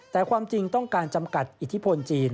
แต่ความจริงต้องการจำกัดอิทธิพลจีน